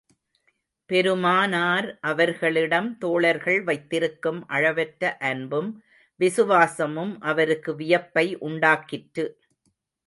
பெருமானார் அவர்களிடம் தோழர்கள் வைத்திருக்கும் அளவற்ற அன்பும் விசுவாசமும் அவருக்கு வியப்பை உண்டாக்கிற்று.